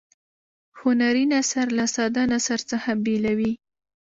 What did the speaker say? هنري نثر له ساده نثر څخه بیلوي.